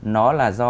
nó là do